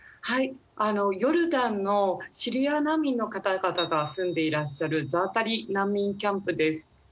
ヨルダンのシリア難民の方々が住んでいらっしゃるザータリ難民キャンプです。